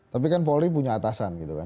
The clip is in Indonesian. tapi kan polri punya atasan gitu kan